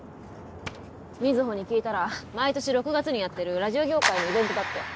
瑞穂に聞いたら毎年６月にやってるラジオ業界のイベントだって。